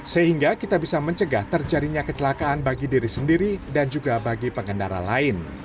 sehingga kita bisa mencegah terjadinya kecelakaan bagi diri sendiri dan juga bagi pengendara lain